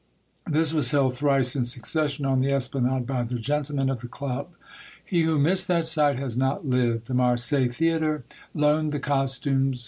This was held thrice in succession on the Esplanade by the gentle men of the Club. He who missed that sight has not lived ! The Marseilles Theatre loaned the costumes.